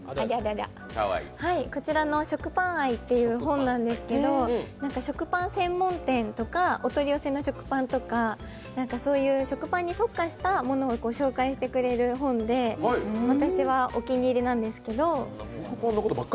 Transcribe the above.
こちらの「食パン愛」という本なんですけど、食パン専門店とかお取り寄せの食パンとか食パンに特化したものを紹介してくれる本で、私はお気に入りなんですけど。